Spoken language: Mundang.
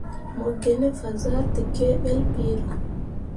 Mo gine fazahtǝgǝǝ ɓelle piro.